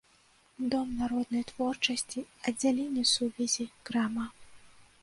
Дом народнай творчасці, аддзяленне сувязі, крама.